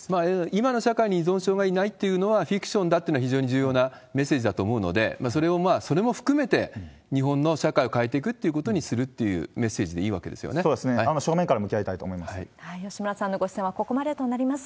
今の社会に依存症がいないっていうのはフィクションだっていうのは、非常に重要なメッセージだと思うので、それも含めて、日本の社会を変えていくってことにするというメッセージでいいわそうですね、正面から向き合吉村さんのご出演はここまでとなります。